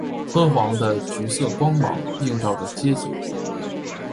昏黄的橘色光芒映照着街景